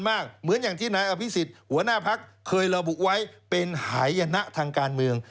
เหมือนอย่างที่นายอภิษฎหัวหน้าพักเคยระบุไว้เป็นหายนะทางการเมือง